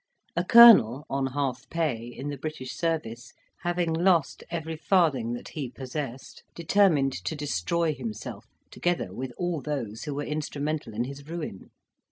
A colonel, on half pay, in the British service, having lost every farthing that he possessed, determined to destroy himself, together with all those who were instrumental in his ruin.